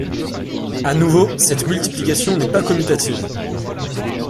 À nouveau cette multiplication n'est pas commutative.